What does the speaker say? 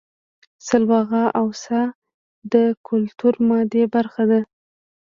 سلواغه او څا د کولتور مادي برخه ده